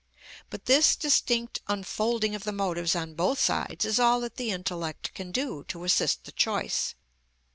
But this distinct unfolding of the motives on both sides is all that the intellect can do to assist the choice.